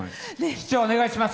市長、お願いします。